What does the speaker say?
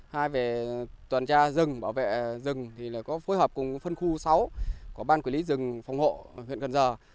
hai về tuần tra rừng bảo vệ rừng có phối hợp cùng phân khu sáu của ban quản lý rừng phòng hộ huyện cần giờ